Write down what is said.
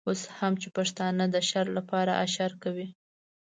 اوس هم چې پښتانه د شر لپاره اشر کوي.